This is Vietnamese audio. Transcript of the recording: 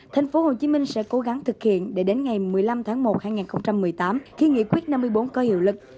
tp hcm sẽ cố gắng thực hiện để đến ngày một mươi năm tháng một hai nghìn một mươi tám khi nghị quyết năm mươi bốn có hiệu lực